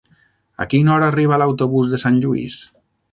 A quina hora arriba l'autobús de Sant Lluís?